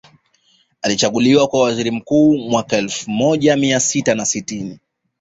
Alichaguliwa kuwa waziri mkuu mwaka elfu moja mia tisa na sitini